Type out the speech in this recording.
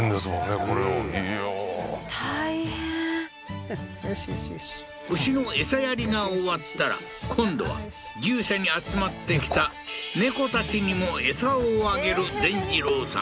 これをいやー大変よしよしよし牛の餌やりが終わったら今度は牛舎に集まってきた猫たちにも餌をあげる善次郎さん